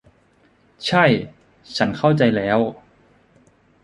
ใช่ ฉันเข้าใจแล้ว